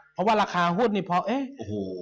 เพราะว่าราคาหุ้นพอเอ้โห